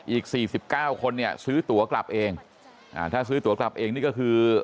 อีก๔๙คนซื้อตัวกลับเองถ้าซื้อตัวกลับเองนี่ก็คือ